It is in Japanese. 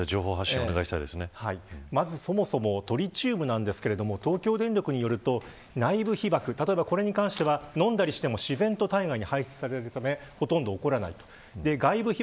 政府にはきちんとした情報発信をそもそもトリチウムですが東京電力によると内部被ばくに関しては飲んだりしても、自然と体外に排出されるためほとんど起こらない。